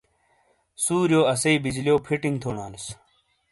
سُوریو اسی بجلیو فیٹنگ تھو نالیس۔